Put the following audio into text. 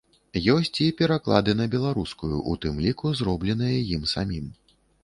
Ёсць і пераклады на беларускую, у тым ліку зробленыя ім самім.